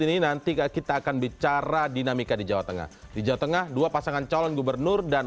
ini nanti kita akan bicara dinamika di jawa tengah di jawa tengah dua pasangan calon gubernur dan